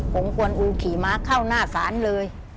ผมควรอูขี่ม้าเข้าหน้าศาลเลย